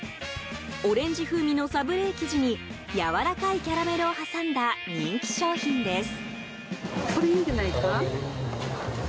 オレンジ風味のサブレー生地にやわらかいキャラメルを挟んだ人気商品です。